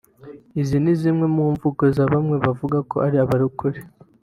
Izi ni zimwe mu mvugo za bamwe bavuga ko ari abarokore